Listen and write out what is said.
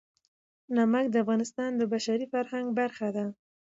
نمک د افغانستان د بشري فرهنګ برخه ده.